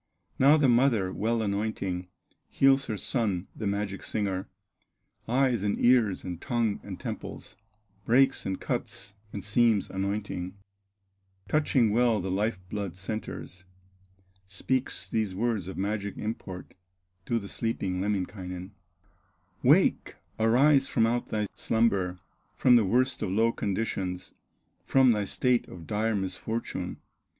Now the mother well anointing, Heals her son, the magic singer, Eyes, and ears, and tongue, and temples, Breaks, and cuts, and seams, anointing, Touching well the life blood centres, Speaks these words of magic import To the sleeping Lemminkainen: "Wake, arise from out thy slumber, From the worst of low conditions, From thy state of dire misfortune!"